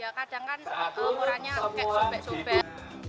ya kadang kan korannya seperti sobek sobek